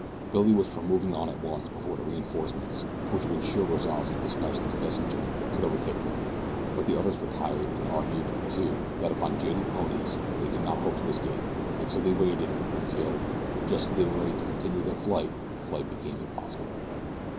Billy was for moving on at once before the reinforcements, for which he was sure Rozales had dispatched his messenger, could overtake them. But the others were tired and argued, too, that upon jaded ponies they could not hope to escape and so they waited, until, just as they were ready to continue their flight, flight became impossible.